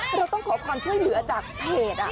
เราต้องขอความช่วยเหลือจากเพจ